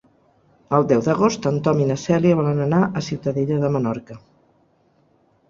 El deu d'agost en Tom i na Cèlia volen anar a Ciutadella de Menorca.